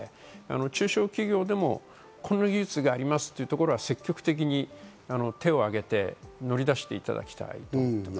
中小企業でもこの技術がありますっていうのは積極的に手を挙げて乗り出していただきたい。